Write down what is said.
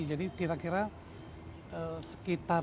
jadi kira kira sekitar